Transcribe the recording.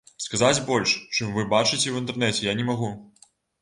Сказаць больш, чым вы бачыце ў інтэрнэце, я не магу.